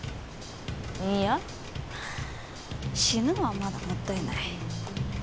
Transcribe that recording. いいや死ぬのはまだもったいない。